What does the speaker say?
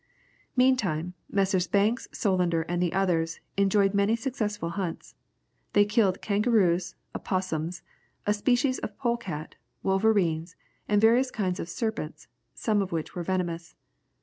Meantime Messrs. Banks, Solander, and others, enjoyed many successful hunts. They killed kangaroos, opossums, a species of pole cat, wolves, and various kinds of serpents, some of which were venomous.